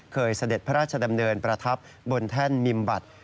เสด็จพระราชดำเนินประทับบนแท่นมิมบัตร